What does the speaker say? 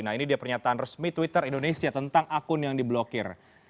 nah ini dia pernyataan resmi twitter indonesia tentang akun yang diblokir